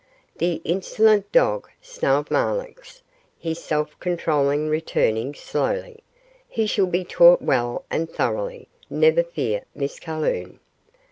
"The insolent dog," snarled Marlanx, his self control returning slowly. "He shall be taught well and thoroughly, never fear, Miss Calhoun.